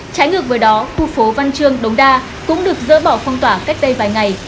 trái ngược với đó khu phố văn trương đống đa cũng được dỡ bỏ phong tỏa cách đây vài ngày